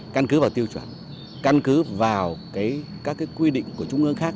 căn cứ vào tiêu chuẩn căn cứ vào các quy định của trung ương khác